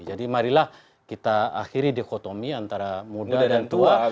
jadi marilah kita akhiri dikotomi antara muda dan tua